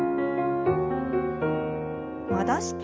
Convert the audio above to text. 戻して。